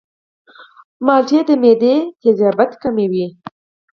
مالټې د معدې تیزابیت کموي.